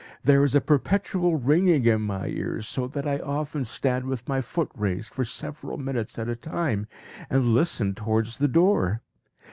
There is a perpetual ringing in my ears, so that I often stand with my foot raised, for several minutes at a time, and listen towards the door.